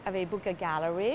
kita buka galeri